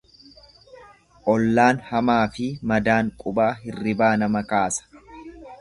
Ollaan hamaafi madaan qubaa hirribaa nama kaasa.